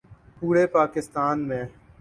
پورے پاکستان میں